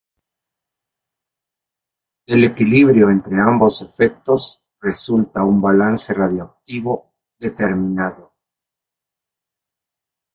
Del equilibrio entre ambos efectos resulta un balance radiativo determinado.